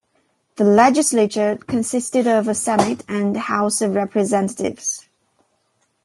The legislature consisted of a Senate and House of Representatives.